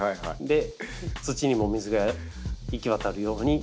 土にも水が行き渡るようにやります。